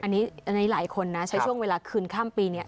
อันนี้ในหลายคนใช้ช่วงเวลาคืนข้ามปี